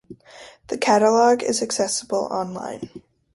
The catalogue is accessible online.